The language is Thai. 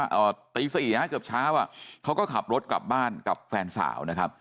เอ่อตีสี่ฮะเกือบเช้าอ่ะเขาก็ขับรถกลับบ้านกับแฟนสาวนะครับ